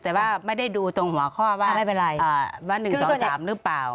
แต่ว่าไม่ได้ดูตรงหัวข้อว่าว่า๑๒๓หรือเปล่า